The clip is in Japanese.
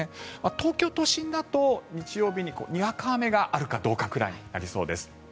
東京都心だと日曜日ににわか雨があるかどうかくらいになりそうです。